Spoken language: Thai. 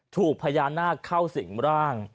ถูกพญานาคเข้าสิงร่าง